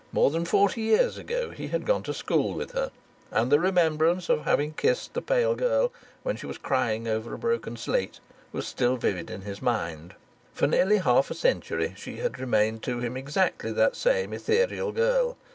More than forty years ago he had gone to school with her, and the remembrance of having kissed the pale girl when she was crying over a broken slate was still vivid in his mind. For nearly half a century she had remained to him exactly that same ethereal girl.